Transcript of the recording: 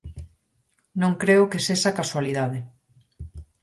Non creo que sexa casualidade.